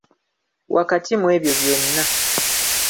Wakati mu ebyo byonna